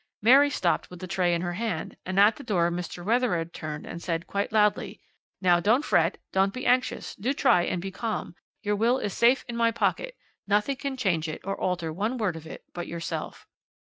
Mary stopped with the tray in her hand, and at the door Mr. Wethered turned and said quite loudly: 'Now, don't fret, don't be anxious; do try and be calm. Your will is safe in my pocket, nothing can change it or alter one word of it but yourself.'